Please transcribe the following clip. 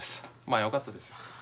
まあよかったですよ。